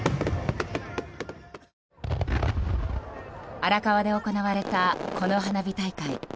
荒川で行われたこの花火大会。